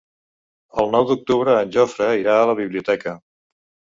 El nou d'octubre en Jofre irà a la biblioteca.